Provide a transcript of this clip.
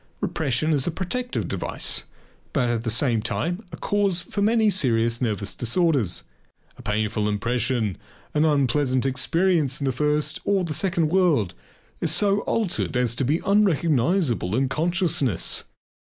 Repression is a protective device but at the same time a cause for many serious nervous disorders. A painful impression, an unpleasant experience in the first or the second world, is so altered as to be unrecognizable in consciousness.